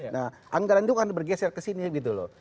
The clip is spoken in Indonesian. nah anggaran itu kan bergeser ke sini gitu loh